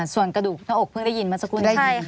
ส่วนกระดูกหน้าอกเพิ่งได้ยินมาสักครู่นี้